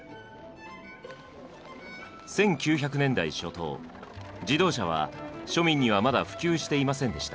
１９００年代初頭自動車は庶民にはまだ普及していませんでした。